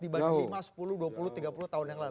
dibanding lima sepuluh dua puluh tiga puluh tahun yang lalu